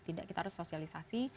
tidak kita harus sosialisasi